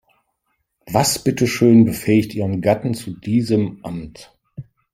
Was bitteschön befähigt ihren Gatten zu diesem Amt?